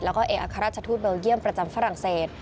แล้วก็เอกอัครราชทูตเบลเยี่ยมประจำฝรั่งเศส